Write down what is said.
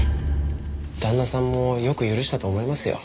旦那さんもよく許したと思いますよ。